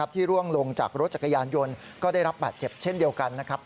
ร่วงลงจากรถจักรยานยนต์ก็ได้รับบาดเจ็บเช่นเดียวกันนะครับ